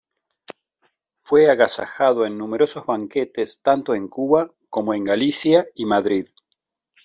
Fue agasajado en numerosos banquetes tanto en Cuba como en Galicia y Madrid.